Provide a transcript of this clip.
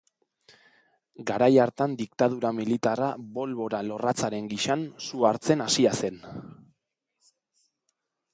Garai hartan diktadura militarra bolbora-lorratzaren gisan su hartzen hasia zen.